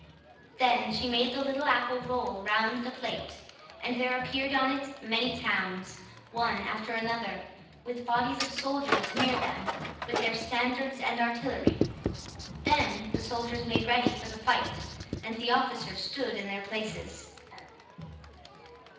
Then she made the little apple roll round the plate, and there appeared on it many towns, one after the other, with bodies of soldiers near them, with their standards and artillery. Then the soldiers made ready for the fight, and the officers stood in their places.